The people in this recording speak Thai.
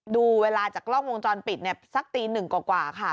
ดูเวลาจากกล้องวงจรปิดสักตีหนึ่งกว่าค่ะ